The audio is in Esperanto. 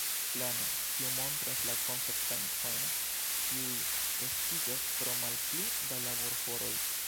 Plano, kiu montras la konsekvencojn kiuj estiĝas pro malpli da laborhoroj.